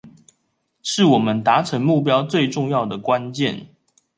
是我們達成目標最重要的關鍵